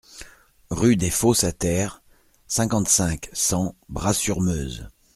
Rue des Fosses à Terre, cinquante-cinq, cent Bras-sur-Meuse